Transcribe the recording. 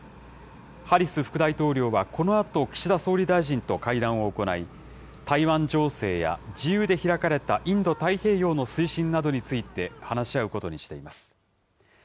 ハリス副大統領はこのあと、岸田総理大臣と会談を行い、台湾情勢や自由で開かれたインド太平洋の推進などについて、話し合うことにしています。